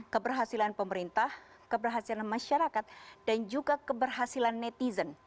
keberhasilan pemerintah keberhasilan masyarakat dan juga keberhasilan netizen